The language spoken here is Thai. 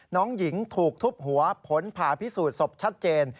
น้องหญิงถูกทุบหัวผลผ่าพิสูจน์ศพชัดเจน